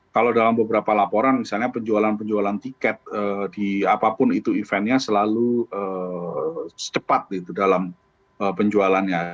kalau dalam beberapa laporan misalnya penjualan penjualan tiket di apapun itu eventnya selalu secepat gitu dalam penjualannya